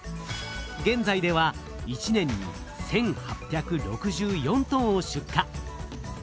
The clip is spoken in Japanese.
現在では１年に１，８６４トンを出荷。